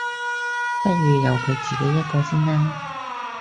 不如由佢自己一個先啦